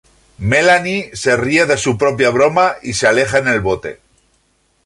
Melanie se ríe de su propia broma y se aleja en el bote.